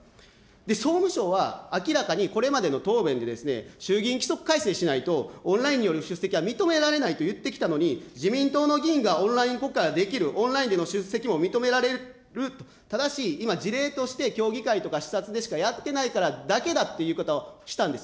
総務省は明らかにこれまでの答弁でですね、衆議院規則改正しないと、オンラインによる出席は認められないと言ってきたのに、自民党の議員がオンライン国会はできる、オンラインでの出席も認められると、ただし、今、事例として協議会とか視察でしかやってないからだけだって言い方をしたんです。